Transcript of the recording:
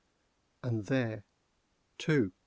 And there, too!